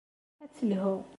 Ad telhu.